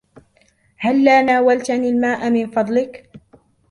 هلاّ ناولتني الماء من فضلك؟